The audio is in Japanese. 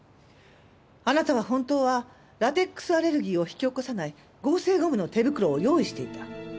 あなたは本当はラテックスアレルギーを引き起こさない合成ゴムの手袋を用意していた。